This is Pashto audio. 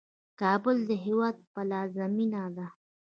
کابل د هیواد پلازمینه ده